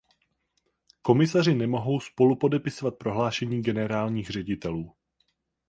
Komisaři nemohou spolupodepisovat prohlášení generálních ředitelů.